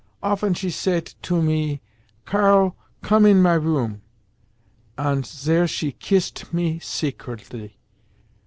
Often she sayt to me, 'Karl, come in my room,' ant zere she kisset me secretly.